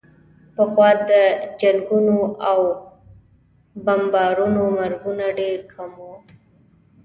پخوا د جنګونو او بمبارونو مرګونه ډېر کم وو.